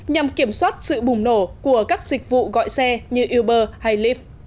nhằm kiểm soát sự bùng nổ của các dịch vụ gọi xe như uber hay life